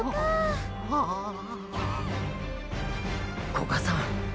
古賀さん